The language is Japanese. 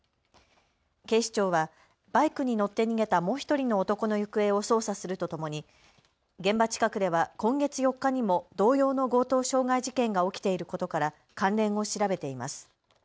警視庁はバイクに乗って逃げたもう１人の男の行方を捜査するとともに現場近くでは今月４日にも同様の強盗傷害事件が起きていることから関連を調べています。